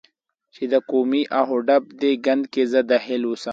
چې د قومي اخ و ډب دې ګند کې زه دخیل اوسم،